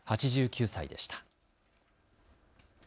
８９歳でした。